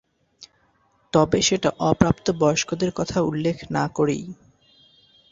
তবে সেটা অপ্রাপ্তবয়স্কদের কথা উল্লেখ না করেই।